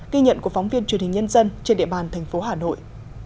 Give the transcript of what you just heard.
ghi nhận của phóng viên truyền hình nhân dân trên địa bàn thành phố hà nội